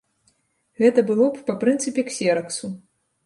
Гэта было б па прынцыпе ксераксу.